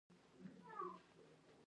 د بامیان دره ډیره ښکلې ده